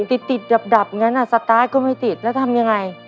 ติดติดดับอย่างนั้นสตาร์ทก็ไม่ติดแล้วทำยังไง